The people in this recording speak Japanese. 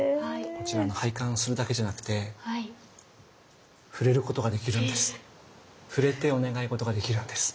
こちら拝観するだけじゃなくて触れることができるんです。